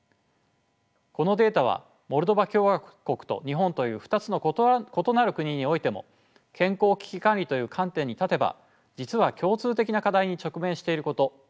このデータはモルドバ共和国と日本という２つの異なる国においても健康危機管理という観点に立てば実は共通的な課題に直面していること